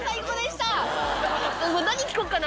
何聞こうかな？